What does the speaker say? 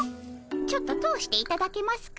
ちょっと通していただけますか？